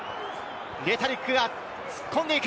レタリックが突っ込んでいく。